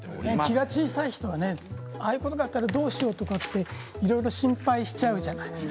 気が小さい人はああいうことがあったらどうしようといろいろ心配してしまうじゃないですか。